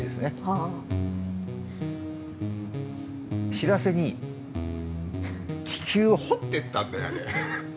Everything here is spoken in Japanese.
知らせに地球を掘ってったんだよあれ。